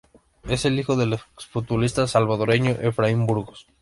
Es el hijo del ex futbolista salvadoreño Efraín Burgos.